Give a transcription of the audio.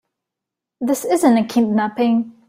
This isn't a kidnapping.